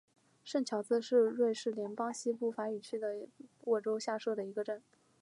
圣乔治是瑞士联邦西部法语区的沃州下设的一个镇。